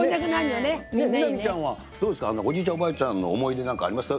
美波ちゃんはおじいちゃん、おばあちゃんの思い出なんかありますか？